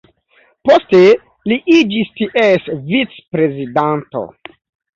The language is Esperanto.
Poste li iĝis ties vicprezidanto.